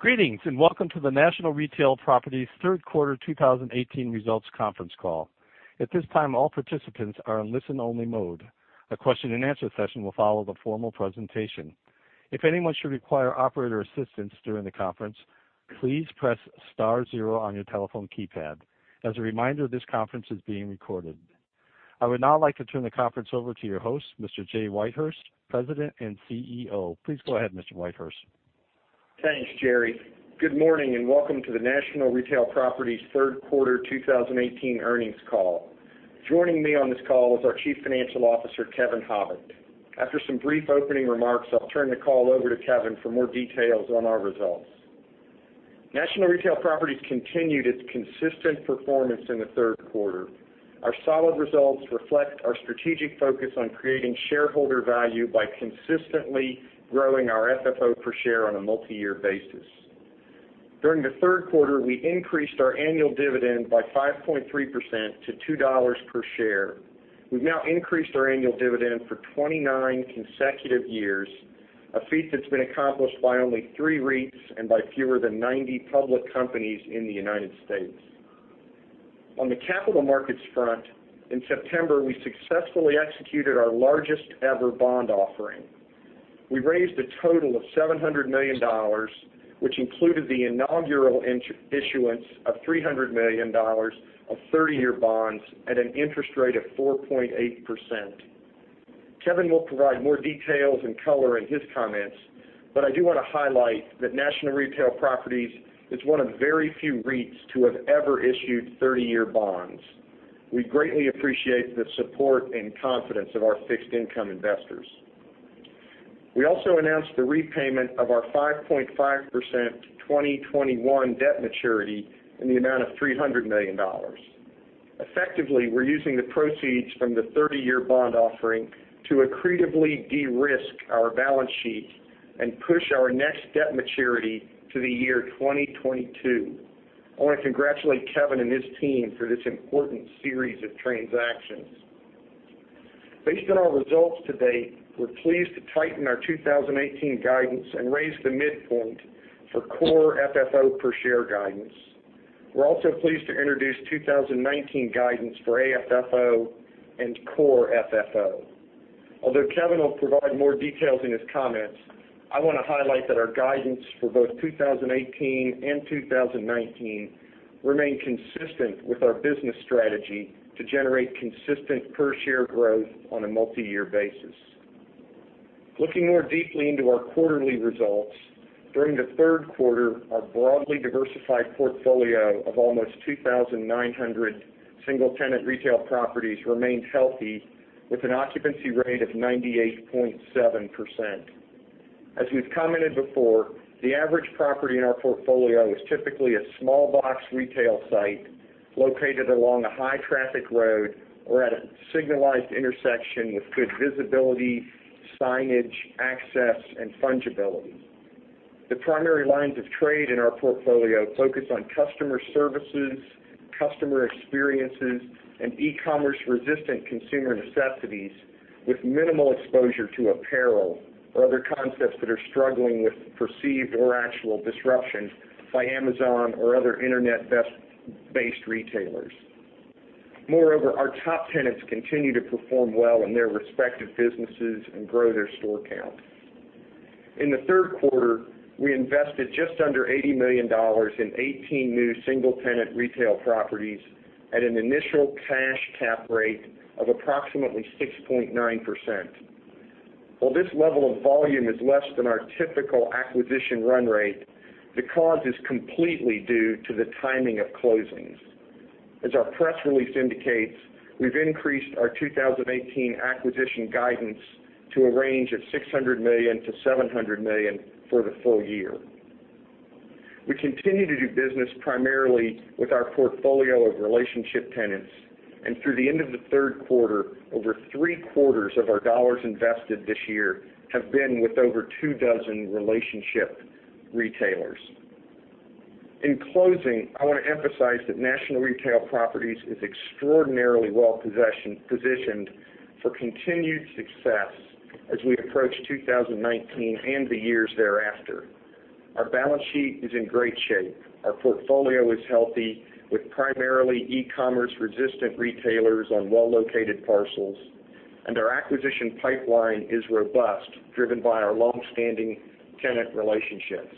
Greetings, and welcome to the National Retail Properties' third quarter 2018 results conference call. At this time, all participants are in listen-only mode. A question and answer session will follow the formal presentation. If anyone should require operator assistance during the conference, please press star zero on your telephone keypad. As a reminder, this conference is being recorded. I would now like to turn the conference over to your host, Mr. Jay Whitehurst, President and CEO. Please go ahead, Mr. Whitehurst. Thanks, Jerry. Good morning, and welcome to the National Retail Properties' third quarter 2018 earnings call. Joining me on this call is our Chief Financial Officer, Kevin Habicht. After some brief opening remarks, I'll turn the call over to Kevin for more details on our results. National Retail Properties continued its consistent performance in the third quarter. Our solid results reflect our strategic focus on creating shareholder value by consistently growing our FFO per share on a multi-year basis. During the third quarter, we increased our annual dividend by 5.3% to $2 per share. We've now increased our annual dividend for 29 consecutive years, a feat that's been accomplished by only three REITs and by fewer than 90 public companies in the United States. On the capital markets front, in September, we successfully executed our largest ever bond offering. We raised a total of $700 million, which included the inaugural issuance of $300 million of 30-year bonds at an interest rate of 4.8%. Kevin will provide more details and color in his comments, but I do want to highlight that National Retail Properties is one of very few REITs to have ever issued 30-year bonds. We greatly appreciate the support and confidence of our fixed income investors. We also announced the repayment of our 5.5% 2021 debt maturity in the amount of $300 million. Effectively, we're using the proceeds from the 30-year bond offering to accretively de-risk our balance sheet and push our next debt maturity to the year 2022. I want to congratulate Kevin and his team for this important series of transactions. Based on our results to date, we're pleased to tighten our 2018 guidance and raise the midpoint for Core FFO per share guidance. We're also pleased to introduce 2019 guidance for AFFO and Core FFO. Although Kevin will provide more details in his comments, I want to highlight that our guidance for both 2018 and 2019 remain consistent with our business strategy to generate consistent per share growth on a multi-year basis. Looking more deeply into our quarterly results, during the third quarter, our broadly diversified portfolio of almost 2,900 single-tenant retail properties remained healthy with an occupancy rate of 98.7%. As we've commented before, the average property in our portfolio is typically a small box retail site located along a high-traffic road or at a signalized intersection with good visibility, signage, access, and fungibility. The primary lines of trade in our portfolio focus on customer services, customer experiences, and e-commerce resistant consumer necessities with minimal exposure to apparel or other concepts that are struggling with perceived or actual disruption by Amazon or other internet-based retailers. Our top tenants continue to perform well in their respective businesses and grow their store count. In the third quarter, we invested just under $80 million in 18 new single-tenant retail properties at an initial cash cap rate of approximately 6.9%. While this level of volume is less than our typical acquisition run rate, the cause is completely due to the timing of closings. As our press release indicates, we've increased our 2018 acquisition guidance to a range of $600 million-$700 million for the full year. We continue to do business primarily with our portfolio of relationship tenants, and through the end of the third quarter, over three-quarters of our dollars invested this year have been with over two dozen relationship retailers. In closing, I want to emphasize that National Retail Properties is extraordinarily well-positioned for continued success as we approach 2019 and the years thereafter. Our balance sheet is in great shape. Our portfolio is healthy with primarily e-commerce resistant retailers on well-located parcels, and our acquisition pipeline is robust, driven by our long-standing tenant relationships.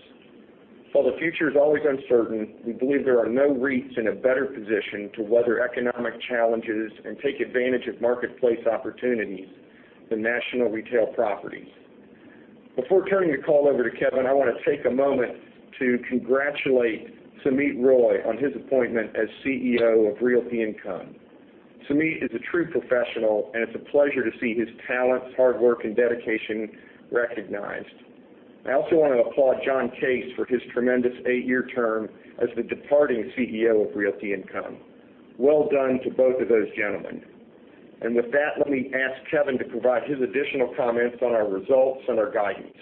The future's always uncertain, we believe there are no REITs in a better position to weather economic challenges and take advantage of marketplace opportunities than National Retail Properties. Before turning the call over to Kevin, I want to take a moment to congratulate Sumeet Roy on his appointment as CEO of Realty Income. Sumeet is a true professional, and it's a pleasure to see his talents, hard work, and dedication recognized. I also want to applaud John Case for his tremendous eight-year term as the departing CEO of Realty Income. Well done to both of those gentlemen. With that, let me ask Kevin to provide his additional comments on our results and our guidance.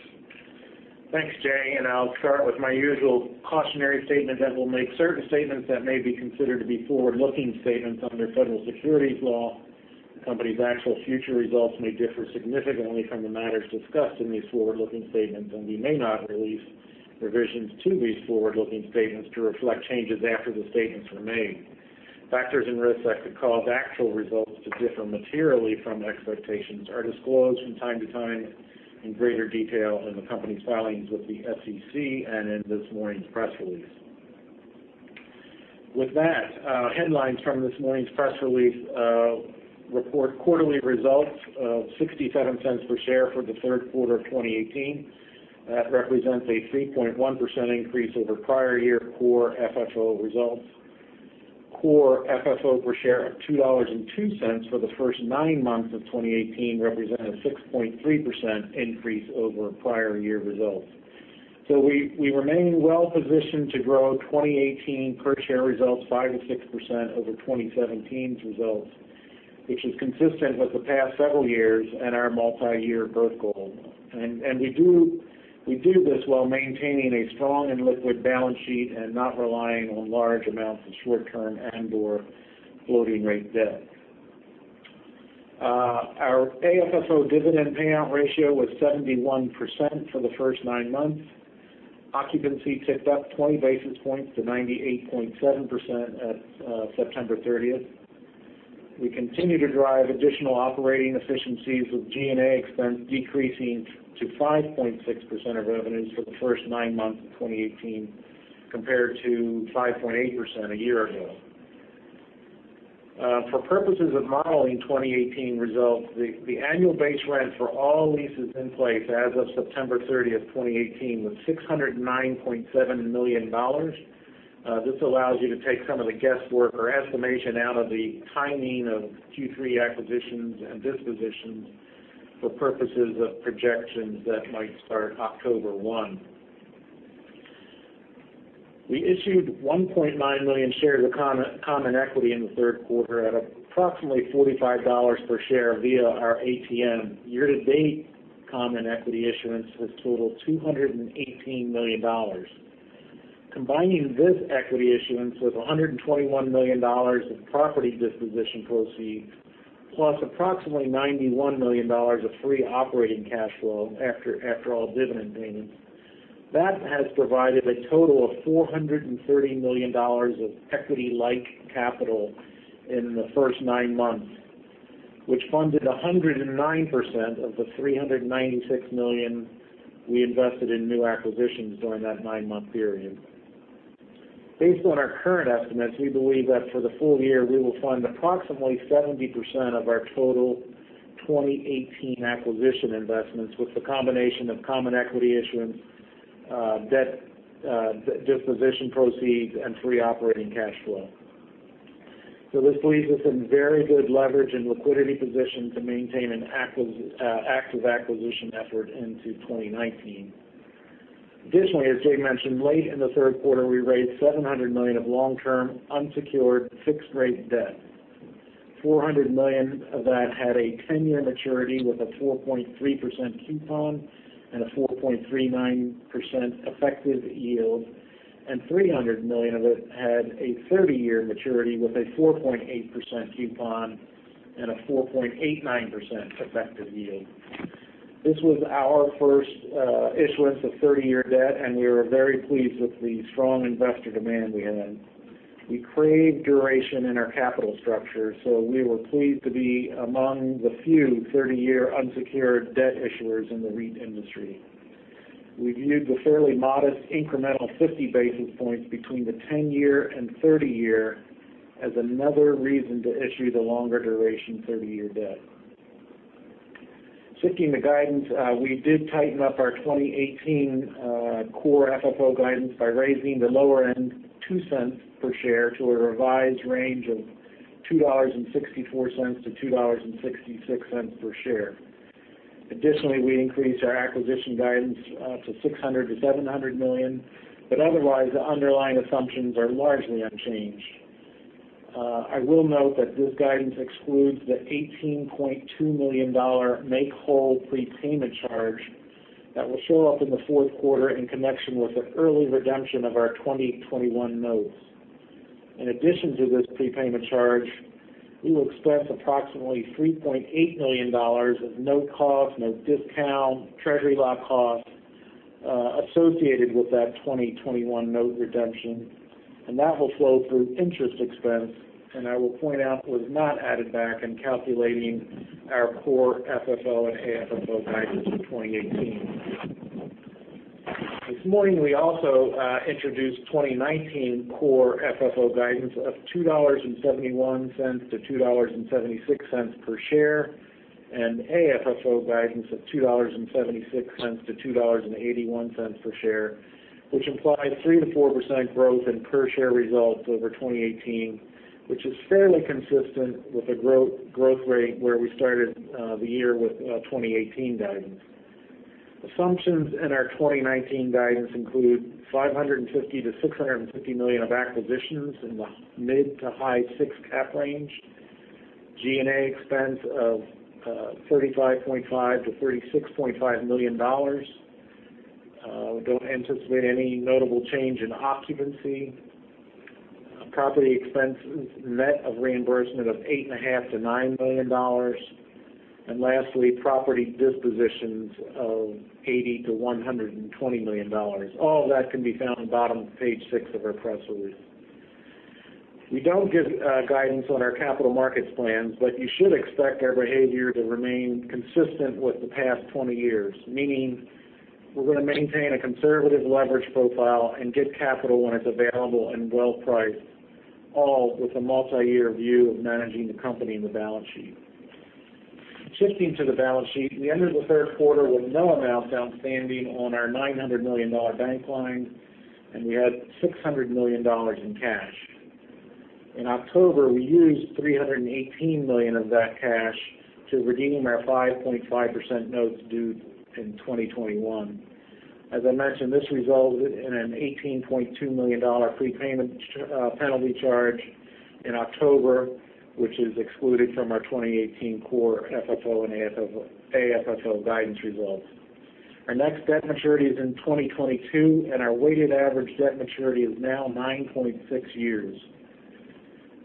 Thanks, Jay, and I'll start with my usual cautionary statement that we'll make certain statements that may be considered to be forward-looking statements under federal securities law. The company's actual future results may differ significantly from the matters discussed in these forward-looking statements, and we may not release revisions to these forward-looking statements to reflect changes after the statements were made. Factors and risks that could cause actual results to differ materially from expectations are disclosed from time to time in greater detail in the company's filings with the SEC and in this morning's press release. Headlines from this morning's press release report quarterly results of $0.67 per share for the third quarter of 2018. That represents a 3.1% increase over prior year Core FFO results. Core FFO per share of $2.02 for the first nine months of 2018 represent a 6.3% increase over prior year results. We remain well-positioned to grow 2018 per-share results 5%-6% over 2017's results, which is consistent with the past several years and our multi-year growth goal. We do this while maintaining a strong and liquid balance sheet and not relying on large amounts of short-term and/or floating rate debt. Our AFFO dividend payout ratio was 71% for the first nine months. Occupancy ticked up 20 basis points to 98.7% at September 30th. We continue to drive additional operating efficiencies, with G&A expense decreasing to 5.6% of revenues for the first nine months of 2018, compared to 5.8% a year ago. For purposes of modeling 2018 results, the annual base rent for all leases in place as of September 30, 2018, was $609.7 million. This allows you to take some of the guesswork or estimation out of the timing of Q3 acquisitions and dispositions for purposes of projections that might start October 1. We issued 1.9 million shares of common equity in the third quarter at approximately $45 per share via our ATM. Year-to-date common equity issuance has totaled $218 million. Combining this equity issuance with $121 million of property disposition proceeds, plus approximately $91 million of free operating cash flow after all dividend payments, that has provided a total of $430 million of equity-like capital in the first nine months, which funded 109% of the $396 million we invested in new acquisitions during that nine-month period. Based on our current estimates, we believe that for the full year, we will fund approximately 70% of our total 2018 acquisition investments with the combination of common equity issuance, net disposition proceeds, and free operating cash flow. This leaves us in very good leverage and liquidity position to maintain an active acquisition effort into 2019. Additionally, as Jay mentioned, late in the third quarter, we raised $700 million of long-term unsecured fixed-rate debt. $400 million of that had a 10-year maturity with a 4.3% coupon and a 4.39% effective yield, and $300 million of it had a 30-year maturity with a 4.8% coupon and a 4.89% effective yield. This was our first issuance of 30-year debt, and we were very pleased with the strong investor demand we had. We crave duration in our capital structure. We were pleased to be among the few 30-year unsecured debt issuers in the REIT industry. We viewed the fairly modest incremental 50 basis points between the 10-year and 30-year as another reason to issue the longer duration 30-year debt. Shifting to guidance, we did tighten up our 2018 Core FFO guidance by raising the lower end $0.02 per share to a revised range of $2.64-$2.66 per share. Additionally, we increased our acquisition guidance to $600 million-$700 million. Otherwise, the underlying assumptions are largely unchanged. I will note that this guidance excludes the $18.2 million make-whole prepayment charge that will show up in the fourth quarter in connection with an early redemption of our 2021 notes. In addition to this prepayment charge, we will expense approximately $3.8 million of note cost, note discount, treasury lock cost, associated with that 2021 note redemption. That will flow through interest expense, and I will point out was not added back in calculating our Core FFO and AFFO guidance for 2018. This morning, we also introduced 2019 Core FFO guidance of $2.71-$2.76 per share and AFFO guidance of $2.76-$2.81 per share, which implies 3%-4% growth in per share results over 2018, which is fairly consistent with the growth rate where we started the year with 2018 guidance. Assumptions in our 2019 guidance include $550 million-$650 million of acquisitions in the mid to high 6 cap range, G&A expense of $35.5 million-$36.5 million. We don't anticipate any notable change in occupancy. Property expenses net of reimbursement of $8.5 million-$9 million. Lastly, property dispositions of $80 million-$120 million. All that can be found bottom of page six of our press release. We don't give guidance on our capital markets plans. You should expect our behavior to remain consistent with the past 20 years, meaning we're going to maintain a conservative leverage profile and get capital when it's available and well-priced, all with a multi-year view of managing the company and the balance sheet. Shifting to the balance sheet, we ended the third quarter with no amount outstanding on our $900 million bank line. We had $600 million in cash. In October, we used $318 million of that cash to redeem our 5.5% notes due in 2021. As I mentioned, this resulted in an $18.2 million prepayment penalty charge in October, which is excluded from our 2018 Core FFO and AFFO guidance results. Our next debt maturity is in 2022. Our weighted average debt maturity is now 9.6 years.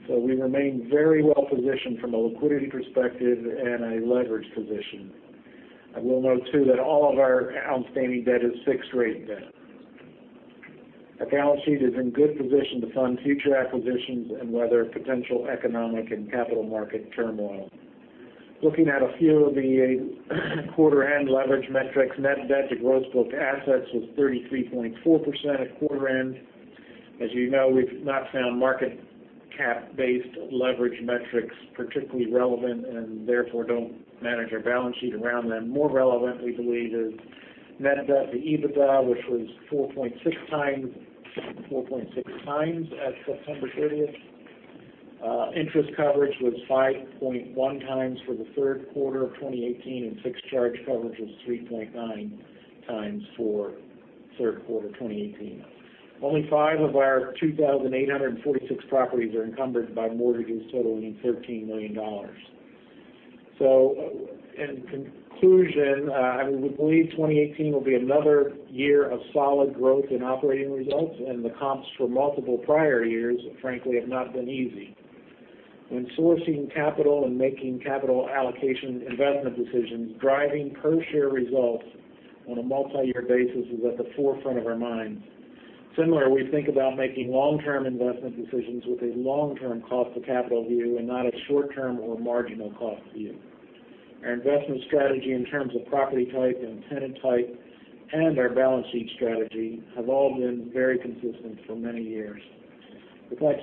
We remain very well-positioned from a liquidity perspective and a leverage position. I will note too that all of our outstanding debt is fixed rate debt. Our balance sheet is in good position to fund future acquisitions and weather potential economic and capital market turmoil. Looking at a few of the quarter end leverage metrics, net debt to gross book assets was 33.4% at quarter end. As you know, we've not found market cap based leverage metrics particularly relevant and therefore don't manage our balance sheet around them. More relevant, we believe, is net debt to EBITDA, which was 4.6 times at September 30th. Interest coverage was 5.1 times for the third quarter of 2018. Fixed charge coverage was 3.9 times for third quarter 2018. Only five of our 2,846 properties are encumbered by mortgages totaling $13 million. In conclusion, we believe 2018 will be another year of solid growth in operating results and the comps for multiple prior years, frankly, have not been easy. When sourcing capital and making capital allocation investment decisions, driving per share results on a multi-year basis is at the forefront of our minds. Similarly, we think about making long-term investment decisions with a long-term cost of capital view and not a short-term or marginal cost view. Our investment strategy in terms of property type and tenant type and our balance sheet strategy have all been very consistent for many years.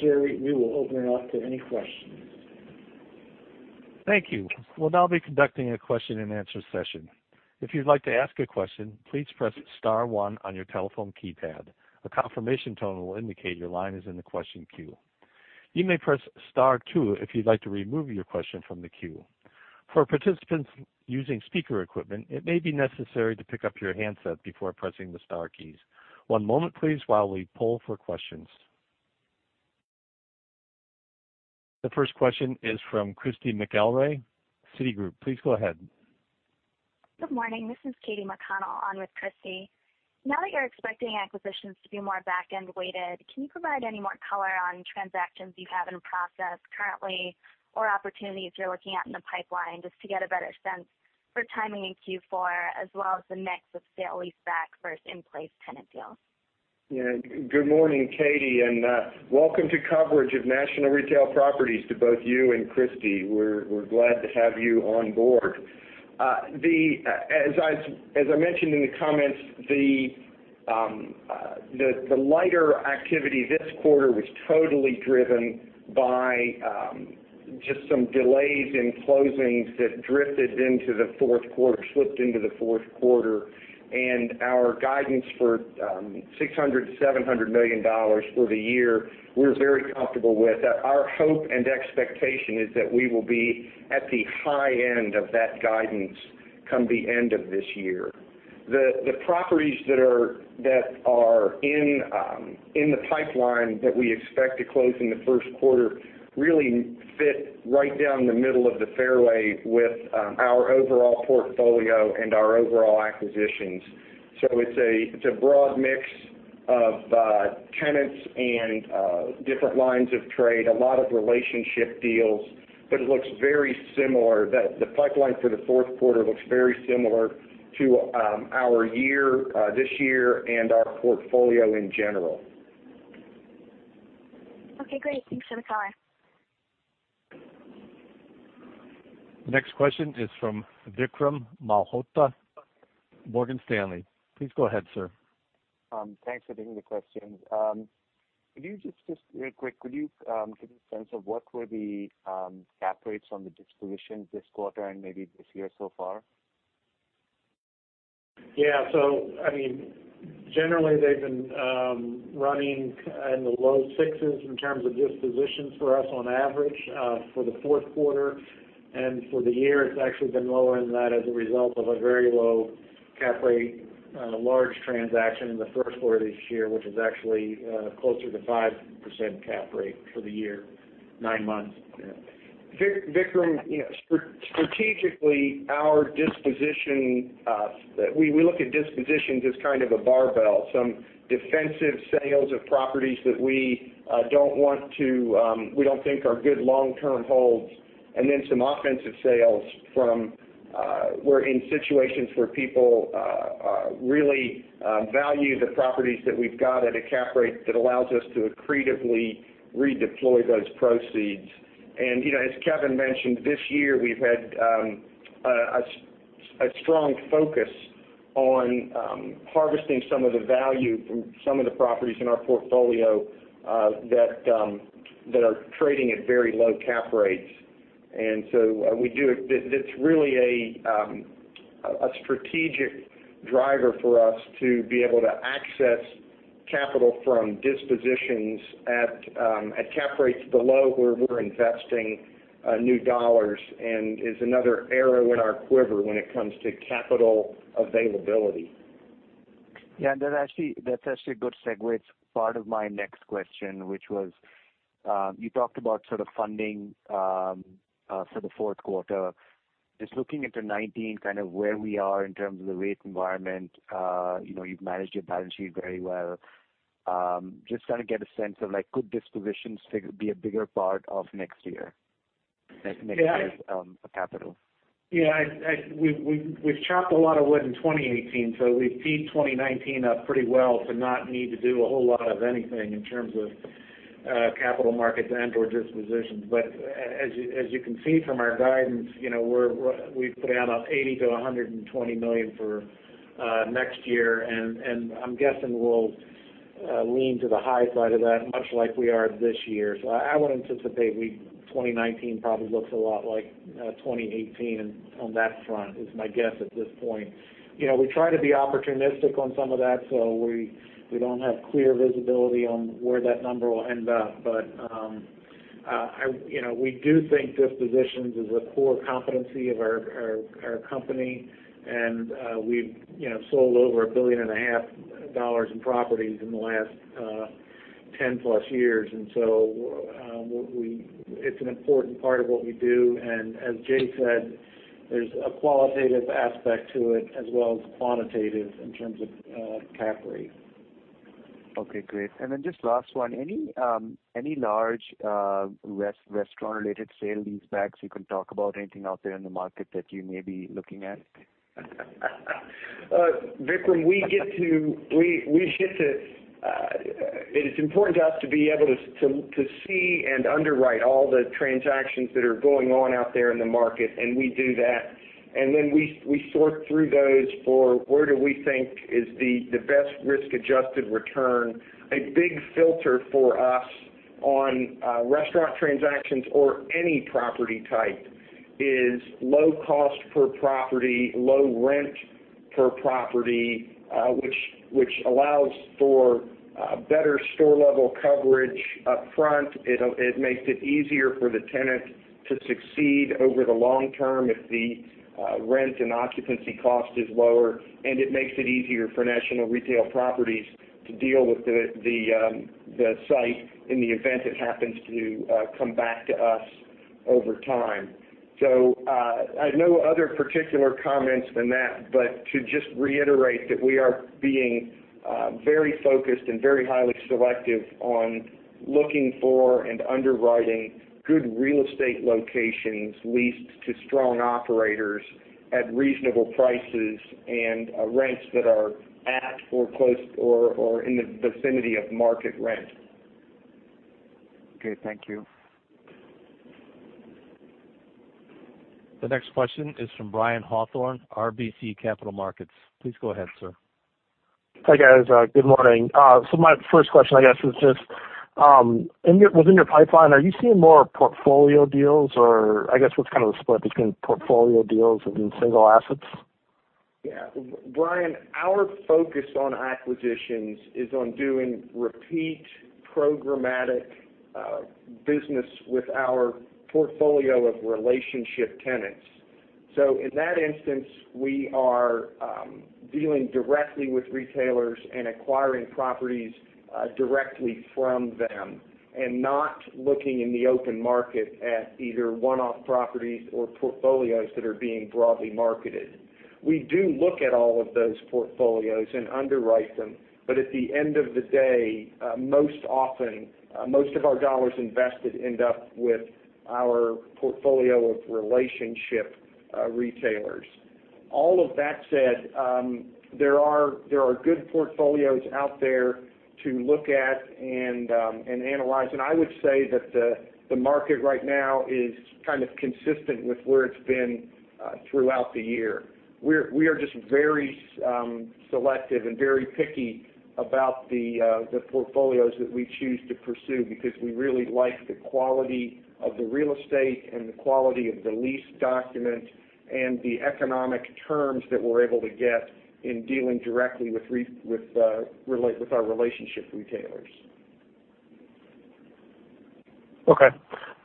Jerry, we will open it up to any questions. Thank you. We will now be conducting a question and answer session. If you would like to ask a question, please press *1 on your telephone keypad. A confirmation tone will indicate your line is in the question queue. You may press *2 if you would like to remove your question from the queue. For participants using speaker equipment, it may be necessary to pick up your handset before pressing the star keys. One moment, please, while we poll for questions. The first question is from Christy McElroy, Citigroup. Please go ahead. Good morning. This is Katie McConnell on with Christy. Now that you are expecting acquisitions to be more back-end weighted, can you provide any more color on transactions you have in process currently or opportunities you are looking at in the pipeline, just to get a better sense for timing in Q4 as well as the mix of sale-leaseback versus in-place tenant deals? Yeah. Good morning, Katie, and welcome to coverage of National Retail Properties to both you and Christy. We are glad to have you on board. As I mentioned in the comments, the lighter activity this quarter was totally driven by just some delays in closings that drifted into the fourth quarter, slipped into the fourth quarter, and our guidance for $600 million-$700 million for the year, we are very comfortable with. Our hope and expectation is that we will be at the high end of that guidance come the end of this year. The properties that are in the pipeline that we expect to close in the first quarter really fit right down the middle of the fairway with our overall portfolio and our overall acquisitions. It's a broad mix of tenants and different lines of trade, a lot of relationship deals, but the pipeline for the fourth quarter looks very similar to this year and our portfolio in general. Okay, great. Thanks for the color. Next question is from Vikram Malhotra, Morgan Stanley. Please go ahead, sir. Thanks for taking the questions. Just real quick, could you give a sense of what were the cap rates on the dispositions this quarter and maybe this year so far? Generally, they've been running in the low 6s in terms of dispositions for us on average for the fourth quarter and for the year, it's actually been lower than that as a result of a very low cap rate on a large transaction in the first quarter this year, which is actually closer to 5% cap rate for the year, nine months. Vikram, strategically, we look at dispositions as kind of a barbell. Some defensive sales of properties that we don't think are good long-term holds, and then some offensive sales from where in situations where people really value the properties that we've got at a cap rate that allows us to accretively redeploy those proceeds. As Kevin mentioned, this year, we've had a strong focus on harvesting some of the value from some of the properties in our portfolio that are trading at very low cap rates. It's really a strategic driver for us to be able to access capital from dispositions at cap rates below where we're investing new dollars, and is another arrow in our quiver when it comes to capital availability. That's actually a good segue to part of my next question, which was, you talked about sort of funding for the fourth quarter. Looking into 2019, kind of where we are in terms of the rate environment, you've managed your balance sheet very well. Trying to get a sense of could dispositions be a bigger part of next year's capital? We've chopped a lot of wood in 2018, so we've teed 2019 up pretty well to not need to do a whole lot of anything in terms of capital markets and/or dispositions. As you can see from our guidance, we've put out about $80 million-$120 million for next year, and I'm guessing we'll lean to the high side of that, much like we are this year. I would anticipate 2019 probably looks a lot like 2018 on that front, is my guess at this point. We try to be opportunistic on some of that, so we don't have clear visibility on where that number will end up. We do think dispositions is a core competency of our company, and we've sold over $1.5 billion in properties in the last 10+ years. It's an important part of what we do. As Jay said, there's a qualitative aspect to it as well as quantitative in terms of cap rate. Okay, great. Just last one, any large restaurant-related sale-leasebacks you can talk about? Anything out there in the market that you may be looking at? Vikram, it is important to us to be able to see and underwrite all the transactions that are going on out there in the market, and we do that. We sort through those for where do we think is the best risk-adjusted return. A big filter for us on restaurant transactions or any property type is low cost per property, low rent per property, which allows for better store-level coverage upfront. It makes it easier for the tenant to succeed over the long term if the rent and occupancy cost is lower, and it makes it easier for National Retail Properties to deal with the site in the event it happens to come back to us over time. I have no other particular comments than that, but to just reiterate that we are being very focused and very highly selective on looking for and underwriting good real estate locations leased to strong operators at reasonable prices and rents that are at or close or in the vicinity of market rent. Okay, thank you. The next question is from Brian Hawthorne, RBC Capital Markets. Please go ahead, sir. Hi, guys. Good morning. My first question is just within your pipeline, are you seeing more portfolio deals or what's kind of the split between portfolio deals and single assets? Yeah. Brian, our focus on acquisitions is on doing repeat programmatic business with our portfolio of relationship tenants. In that instance, we are dealing directly with retailers and acquiring properties directly from them and not looking in the open market at either one-off properties or portfolios that are being broadly marketed. We do look at all of those portfolios and underwrite them, but at the end of the day, most often, most of our dollars invested end up with our portfolio of relationship retailers. All of that said, there are good portfolios out there to look at and analyze, and I would say that the market right now is kind of consistent with where it's been throughout the year. We are just very selective and very picky about the portfolios that we choose to pursue because we really like the quality of the real estate and the quality of the lease document and the economic terms that we're able to get in dealing directly with our relationship retailers. Okay.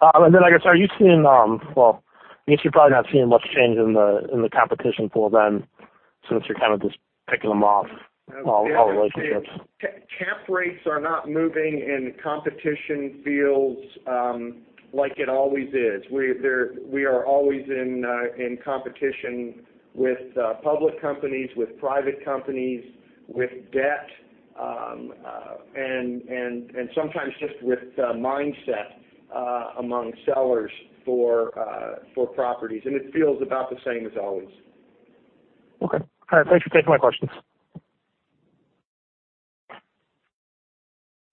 I guess, well, I guess you're probably not seeing much change in the competition pool then. Since you're kind of just picking them off all the relationships. Cap rates are not moving in competition feels like it always is. We are always in competition with public companies, with private companies, with debt, and sometimes just with mindset among sellers for properties, and it feels about the same as always. Okay. All right. Thanks for taking my questions.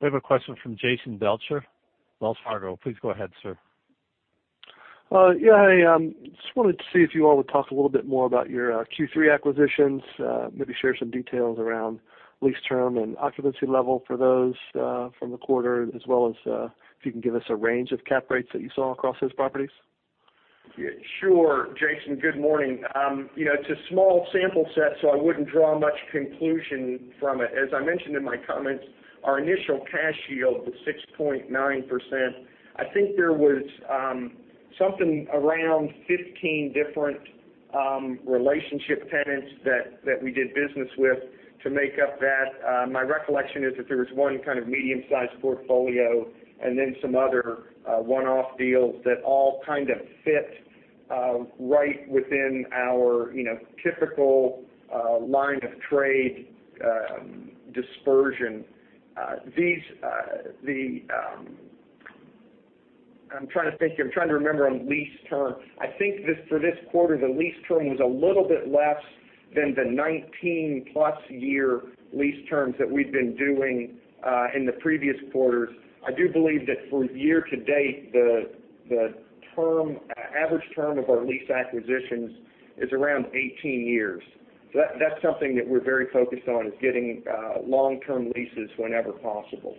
We have a question from Jason Belcher, Wells Fargo. Please go ahead, sir. Yeah. Hey, just wanted to see if you all would talk a little bit more about your Q3 acquisitions, maybe share some details around lease term and occupancy level for those from the quarter, as well as if you can give us a range of cap rates that you saw across those properties. Sure, Jason. Good morning. It's a small sample set, so I wouldn't draw much conclusion from it. As I mentioned in my comments, our initial cash yield was 6.9%. I think there was something around 15 different relationship tenants that we did business with to make up that. My recollection is that there was one kind of medium-sized portfolio and then some other one-off deals that all kind of fit right within our typical line of trade dispersion. I'm trying to think. I'm trying to remember on lease term. I think for this quarter, the lease term was a little bit less than the 19-plus year lease terms that we've been doing in the previous quarters. I do believe that for year-to-date, the average term of our lease acquisitions is around 18 years. That's something that we're very focused on, is getting long-term leases whenever possible.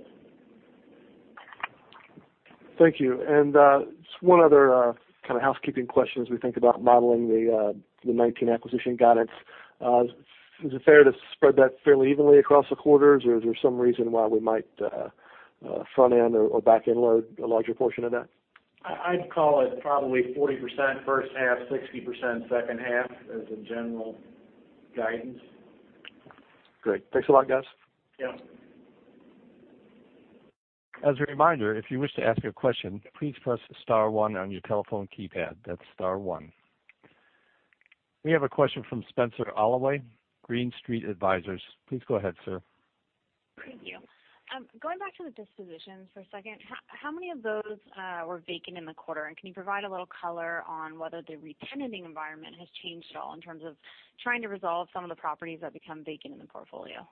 Thank you. Just one other kind of housekeeping question as we think about modeling the 2019 acquisition guidance. Is it fair to spread that fairly evenly across the quarters, or is there some reason why we might front-end or back-end load a larger portion of that? I'd call it probably 40% first half, 60% second half as a general guidance. Great. Thanks a lot, guys. Yeah. As a reminder, if you wish to ask a question, please press *1 on your telephone keypad. That's *1. We have a question from Spenser Glimcher, Green Street Advisors. Please go ahead, sir. Thank you. Going back to the dispositions for a second, how many of those were vacant in the quarter? And can you provide a little color on whether the re-tenanting environment has changed at all in terms of trying to resolve some of the properties that become vacant in the portfolio?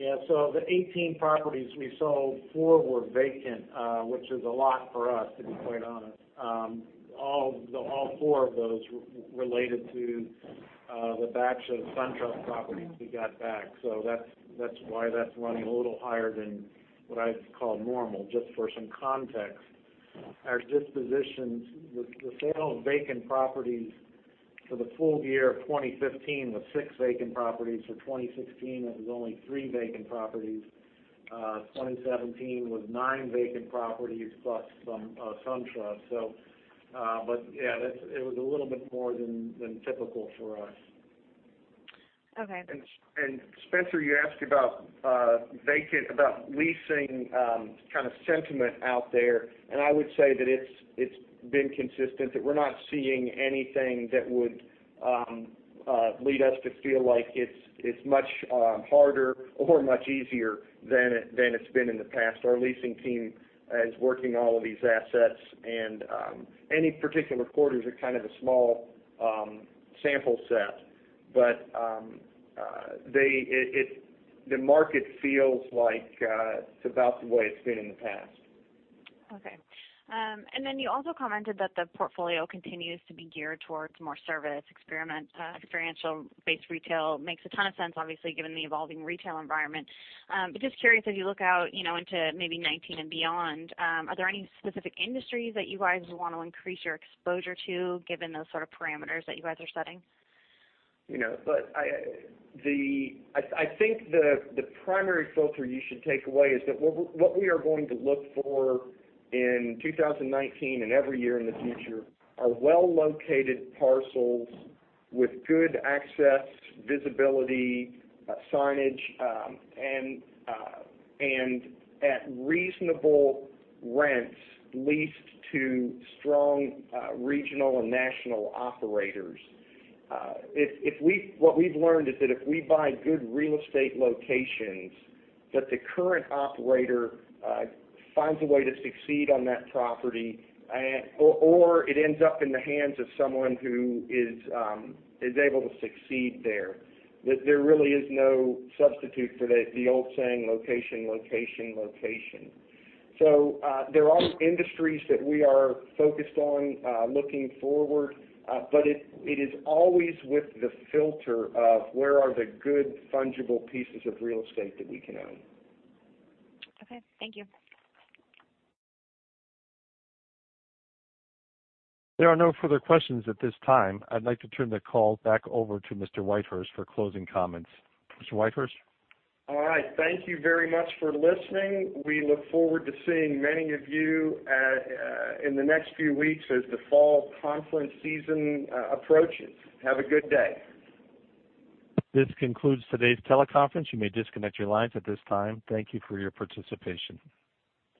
Of the 18 properties we sold, four were vacant, which is a lot for us, to be quite honest. All four of those related to the batch of SunTrust properties we got back. That's why that's running a little higher than what I'd call normal, just for some context. Our dispositions, the sale of vacant properties for the full year of 2015 was six vacant properties. For 2016, it was only three vacant properties. 2017 was nine vacant properties plus some SunTrust. Yeah, it was a little bit more than typical for us. Okay. Spenser, you asked about leasing kind of sentiment out there. I would say that it's been consistent, that we're not seeing anything that would lead us to feel like it's much harder or much easier than it's been in the past. Our leasing team is working all of these assets. Any particular quarters are kind of a small sample set. The market feels like it's about the way it's been in the past. Okay. You also commented that the portfolio continues to be geared towards more service, experiential-based retail. Makes a ton of sense, obviously, given the evolving retail environment. Just curious, as you look out into maybe 2019 and beyond, are there any specific industries that you guys want to increase your exposure to, given those sort of parameters that you guys are setting? I think the primary filter you should take away is that what we are going to look for in 2019 and every year in the future are well-located parcels with good access, visibility, signage, and at reasonable rents leased to strong regional and national operators. What we've learned is that if we buy good real estate locations, that the current operator finds a way to succeed on that property, or it ends up in the hands of someone who is able to succeed there. There really is no substitute for the old saying, location, location. There are industries that we are focused on looking forward, but it is always with the filter of where are the good fungible pieces of real estate that we can own. Okay. Thank you. There are no further questions at this time. I'd like to turn the call back over to Mr. Whitehurst for closing comments. Mr. Whitehurst? All right. Thank you very much for listening. We look forward to seeing many of you in the next few weeks as the fall conference season approaches. Have a good day. This concludes today's teleconference. You may disconnect your lines at this time. Thank you for your participation.